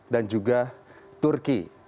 dan juga turki